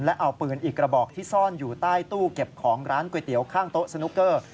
และเอาปืนอีกกระบอกที่ซ่อนอยู่ใต้ตู้เก็บของร้านก๋วยเตี๋ยวข้างโต๊ะสนุกเกอร์